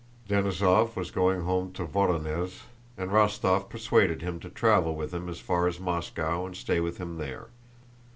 Denísov was going home to Vorónezh and Rostóv persuaded him to travel with him as far as Moscow and to stay with him there.